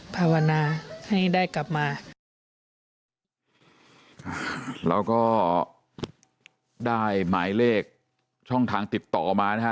ภาวนาให้ได้กลับมาเราก็ได้หมายเลขช่องทางติดต่อมานะฮะ